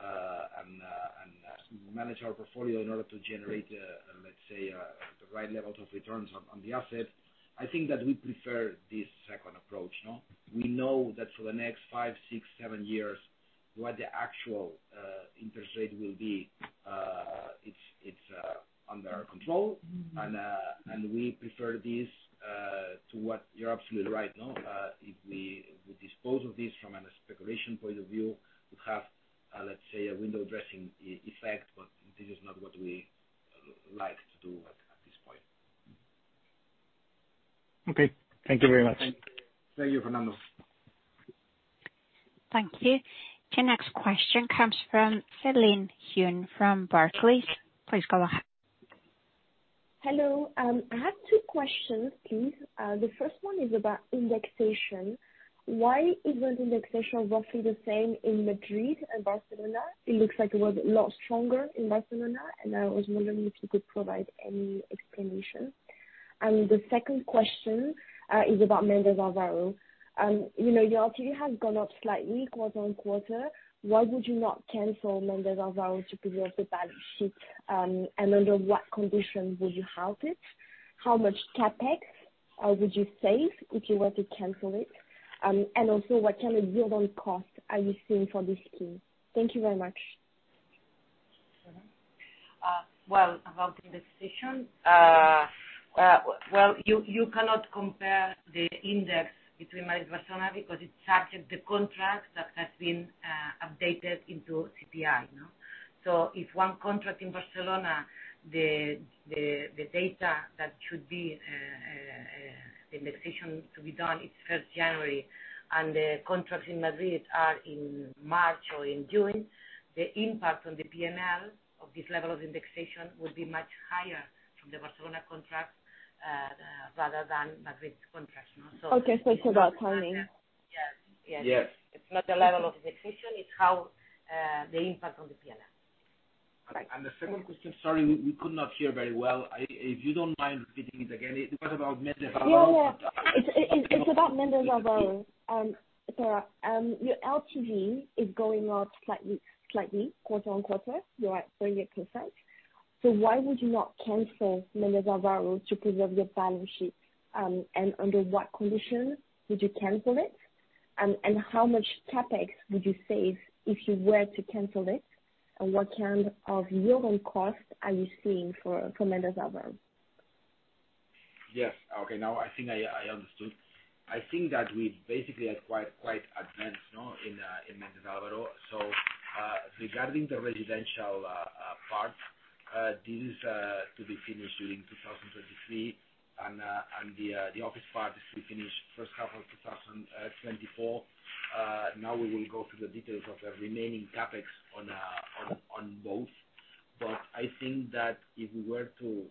[SPEAKER 2] and manage our portfolio in order to generate, let's say, the right levels of returns on the asset. I think that we prefer this second approach, you know? We know that for the next five, six, seven years, what the actual interest rate will be. It's under our control. We prefer this to what? You're absolutely right, you know. If we dispose of this from a speculation point of view, we have, let's say, a window dressing effect, but this is not what we like to do at this point.
[SPEAKER 6] Okay. Thank you very much.
[SPEAKER 2] Thank you, Fernando.
[SPEAKER 1] Thank you. The next question comes from Celine Huynh from Barclays. Please go ahead.
[SPEAKER 7] Hello. I have two questions, please. The first one is about indexation. Why isn't indexation roughly the same in Madrid and Barcelona? It looks like it was a lot stronger in Barcelona, and I was wondering if you could provide any explanation. The second question is about Méndez Álvaro. You know, your LTV has gone up slightly quarter-over-quarter. Why would you not cancel Méndez Álvaro to preserve the balance sheet and under what conditions would you halt it? How much CapEx would you save if you were to cancel it? Also, what kind of yield on cost are you seeing for this scheme? Thank you very much.
[SPEAKER 3] Well, about indexation. You cannot compare the index between Madrid and Barcelona because it's subject to contracts that have been updated into CPI, you know. If one contract in Barcelona, the data that should be the indexation to be done, it's first January, and the contracts in Madrid are in March or in June, the impact on the P&L of this level of indexation would be much higher from the Barcelona contract rather than Madrid contract, you know?
[SPEAKER 7] Okay. It's about timing.
[SPEAKER 3] Yes. Yes.
[SPEAKER 2] Yes.
[SPEAKER 3] It's not the level of indexation, it's how the impact on the P&L.
[SPEAKER 2] The second question, sorry, we could not hear very well. If you don't mind repeating it again. It was about Méndez Álvaro.
[SPEAKER 7] Yeah, yeah. It's about Méndez Álvaro. Your LTV is going up slightly quarter-over-quarter. You are 38%. Why would you not cancel Méndez Álvaro to preserve your balance sheet? Under what condition would you cancel it? How much CapEx would you save if you were to cancel it? What kind of yield on cost are you seeing for Méndez Álvaro?
[SPEAKER 2] Yes. Okay. Now I think I understood. I think that we're basically quite advanced, you know, in Méndez Álvaro. Regarding the residential part, this is to be finished during 2023. The office part is to be finished first half of 2024. Now we will go through the details of the remaining CapEx on both. I think that if we were to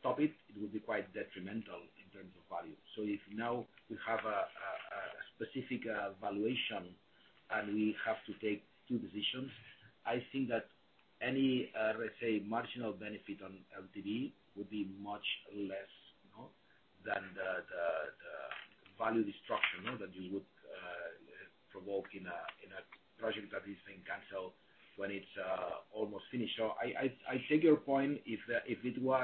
[SPEAKER 2] stop it would be quite detrimental in terms of value. If now we have a specific valuation and we have to take two decisions, I think that any, let's say, marginal benefit on LTV would be much less, you know, than the value destruction, you know, that you would provoke in a project that is being canceled when it's almost finished. I take your point. If it were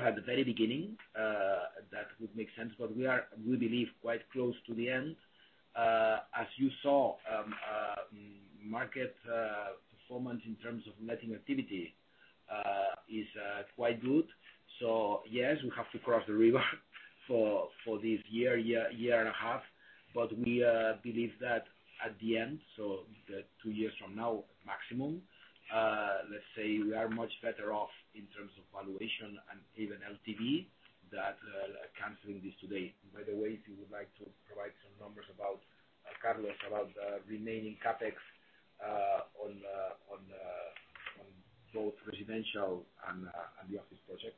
[SPEAKER 2] at the very beginning, that would make sense, but we are, we believe, quite close to the end. As you saw, market performance in terms of letting activity is quite good. Yes, we have to cross the river for this year and a half. We believe that at the end, so two years from now maximum, let's say we are much better off in terms of valuation and even LTV than canceling this today. By the way, if you would like to provide some numbers about Carlos, about the remaining CapEx on both residential and the office project.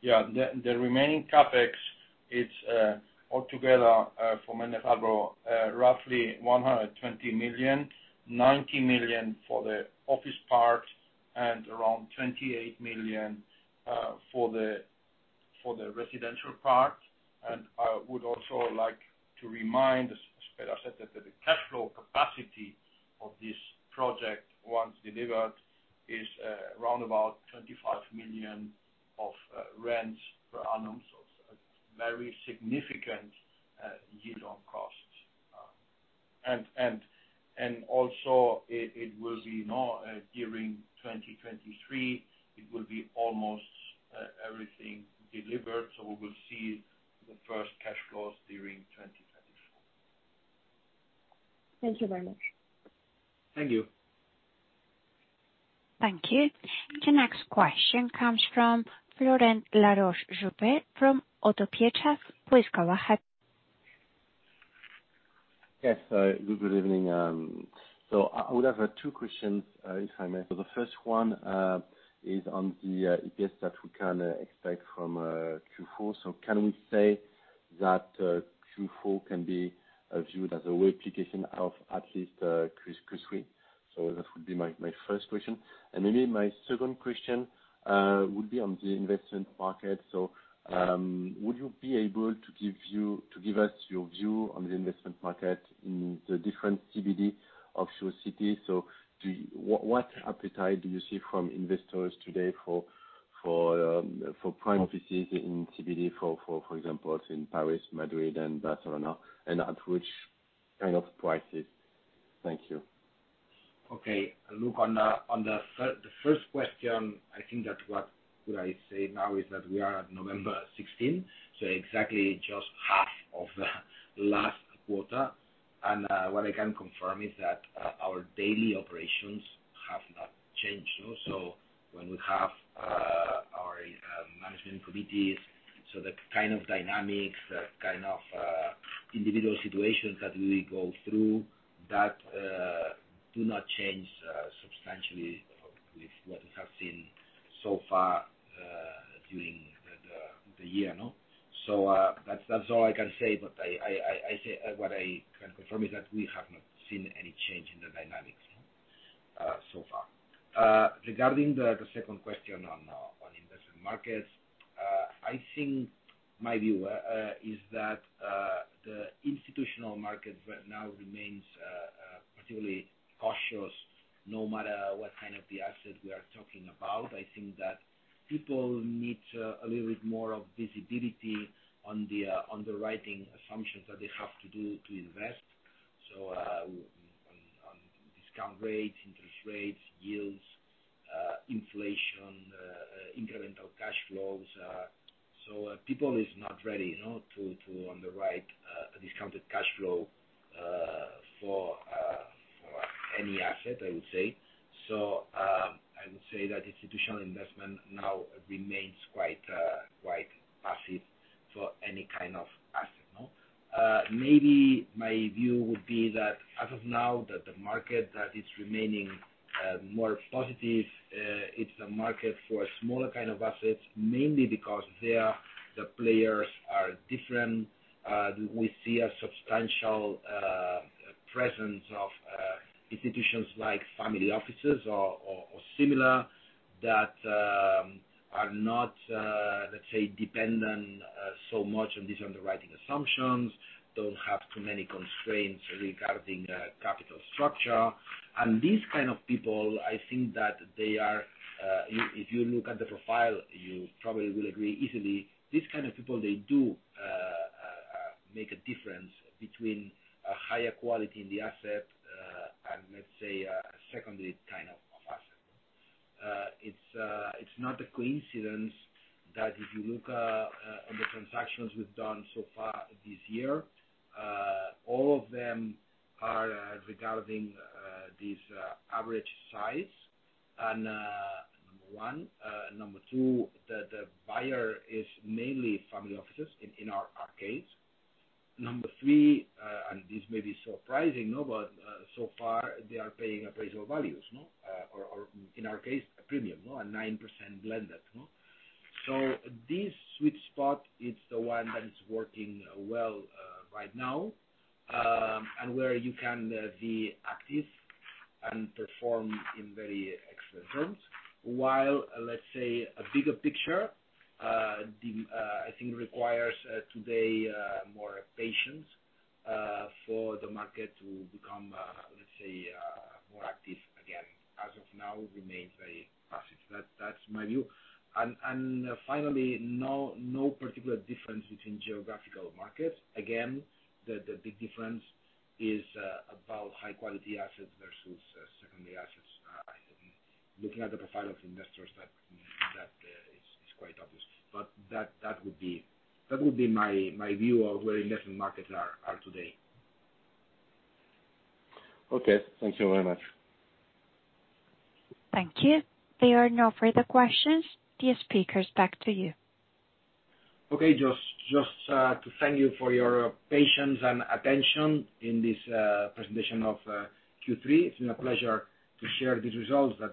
[SPEAKER 4] Yeah. The remaining CapEx is all together for Méndez Álvaro roughly 120 million, 90 million for the office part and around 28 million for the residential part. I would also like to remind, as Pere said, that the cash flow capacity of this project once delivered is around about 25 million of rents per annum. It's a very significant yield on costs. Also it will be now during 2023, it will be almost everything delivered, so we will see the first cash flows during 2024.
[SPEAKER 7] Thank you very much.
[SPEAKER 4] Thank you.
[SPEAKER 1] Thank you. The next question comes from Florent Laroche-Joubert from Oddo BHF.
[SPEAKER 8] Yes. Good evening. I would have two questions, if I may. The first one is on the EPS that we can expect from Q4. Can we say that Q4 can be viewed as a replication of at least Q3? That would be my first question. Maybe my second question would be on the investment market. Would you be able to give us your view on the investment market in the different CBD core cities? What appetite do you see from investors today for prime offices in CBD, for example, in Paris, Madrid and Barcelona, and at which kind of prices? Thank you.
[SPEAKER 2] Okay. Look, the first question, I think that what could I say now is that we are at November 16th, so exactly just half of the last quarter. What I can confirm is that our daily operations have not changed. When we have our management committees, the kind of dynamics, the kind of individual situations that we go through do not change substantially with what we have seen so far during the year. That's all I can say. What I can confirm is that we have not seen any change in the dynamics so far. Regarding the second question on investment markets, I think my view is that the institutional market right now remains particularly cautious no matter what kind of the asset we are talking about. I think that people need a little bit more visibility on the underwriting assumptions that they have to do to invest. On discount rates, interest rates, yields, inflation, incremental cash flows. People is not ready, you know, to underwrite a discounted cash flow for any asset, I would say. I would say that institutional investment now remains quite passive for any kind of asset, you know. Maybe my view would be that as of now the market that is remaining more positive. It's a market for a smaller kind of assets, mainly because there the players are different. We see a substantial presence of institutions like family offices or similar that are not, let's say, dependent so much on these underwriting assumptions, don't have too many constraints regarding capital structure. These kind of people, I think that they are, if you look at the profile, you probably will agree easily. These kind of people, they do make a difference between a higher quality in the asset and let's say a secondary kind of asset. It's not a coincidence that if you look at the transactions we've done so far this year, all of them are regarding this average size. Number one. Number two, the buyer is mainly family offices in our case. Number three, and this may be surprising, no, but so far they are paying appraisal values, no, or in our case, a premium, no? A 9% blended, no? This sweet spot is the one that is working well right now, and where you can be active and perform in very excellent terms. While, let's say, a bigger picture, I think requires today more patience for the market to become, let's say, more active again. As of now remains very passive. That's my view. Finally, no particular difference between geographical markets. Again, the big difference is about high-quality assets versus secondary assets. Looking at the profile of investors that is quite obvious. That would be my view of where investment markets are today.
[SPEAKER 8] Okay. Thank you very much.
[SPEAKER 1] Thank you. There are no further questions. Dear speakers, back to you.
[SPEAKER 2] Okay, just to thank you for your patience and attention in this presentation of Q3. It's been a pleasure to share these results that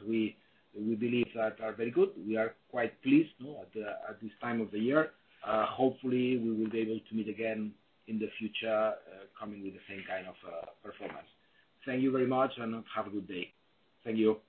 [SPEAKER 2] we believe that are very good. We are quite pleased at this time of the year. Hopefully we will be able to meet again in the future, coming with the same kind of performance. Thank you very much, and have a good day. Thank you.